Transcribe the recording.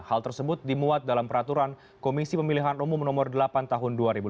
hal tersebut dimuat dalam peraturan komisi pemilihan umum no delapan tahun dua ribu lima belas